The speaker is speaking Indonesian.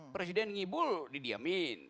presiden ngibul didiamin